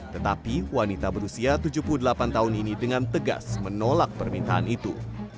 tetapi wanita berusia tujuh puluh delapan tahun ini dengan tegas menolak permintaan itu